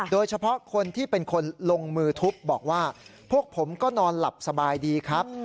โดยเฉพาะคนที่เป็นคนลงมือทุบบอกว่าพวกผมก็นอนหลับสบายดีครับ